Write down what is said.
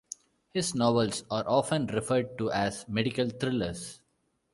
His novels are often referred to as medical thrillers.